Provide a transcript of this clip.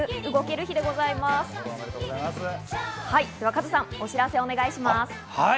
カズさん、お知らせをお願いします。